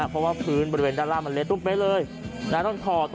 เพราะปืนบริเวณด้านล่างเหล็ดแล้วต้องถอด